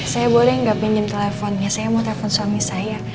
saya boleh nggak pinjam teleponnya saya mau telepon suami saya